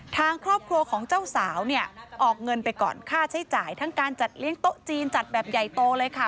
ทางครอบครัวของเจ้าสาวเนี่ยออกเงินไปก่อนค่าใช้จ่ายทั้งการจัดเลี้ยงโต๊ะจีนจัดแบบใหญ่โตเลยค่ะ